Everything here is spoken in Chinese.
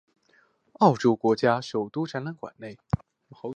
澳洲国家首都展览馆内。